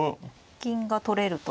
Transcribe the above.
銀が取れると。